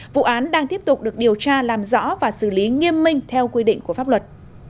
vụ án đang tiếp tục được điều tra làm rõ và xử lý nghiêm minh theo quy định của pháp luật